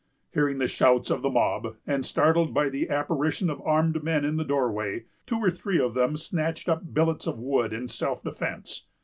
Hearing the shouts of the mob, and startled by the apparition of armed men in the doorway, two or three of them snatched up billets of wood in self defence.